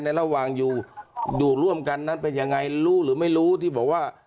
ระหว่างอยู่อยู่ร่วมกันนั้นเป็นยังไงรู้หรือไม่รู้ที่บอกว่า